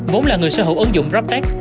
vốn là người sở hữu ứng dụng proptech